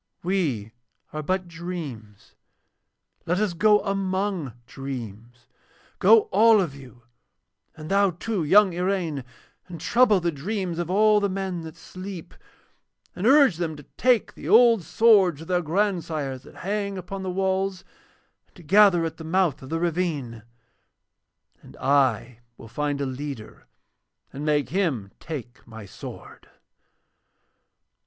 We are but dreams, let us go among dreams. Go all of you, and thou too, young Iraine, and trouble the dreams of all the men that sleep, and urge them to take the old swords of their grandsires that hang upon the walls, and to gather at the mouth of the ravine; and I will find a leader and make him take my sword.'